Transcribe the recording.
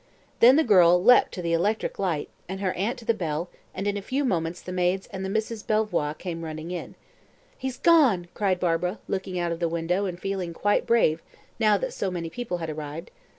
Then the girl leaped to the electric light, and her aunt to the bell, and in a few moments the maids and the Misses Belvoir came running in. "He's gone!" cried Barbara, looking out of the window and feeling quite brave now that so many people had arrived.